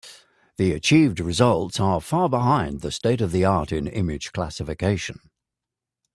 The achieved results are far behind the state-of-the-art in image classification.